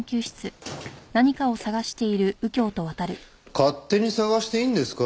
勝手に探していいんですか？